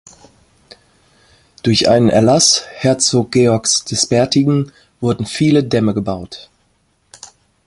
Durch einen Erlass Herzog Georgs des Bärtigen wurden viele Dämme gebaut.